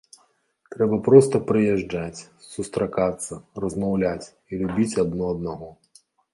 Трэба проста прыязджаць, сустракацца, размаўляць і любіць адно аднаго.